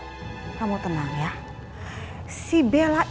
si bella itu nggak menghilangkan bella itu ya